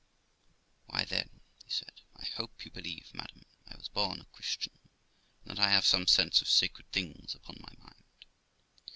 ' Why, then ', he said, ' I hope you believe, madam, I was born a Christian, and that I have some sense of sacred things upon my mind.